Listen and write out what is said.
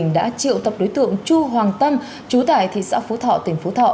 công an thành phố tam điệp đã triệu tập đối tượng chu hoàng tâm chú tại thị xã phú thọ tỉnh phú thọ